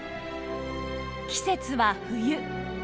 季節は冬。